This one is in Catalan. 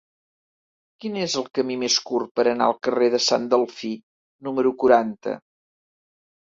Quin és el camí més curt per anar al carrer de Sant Delfí número quaranta?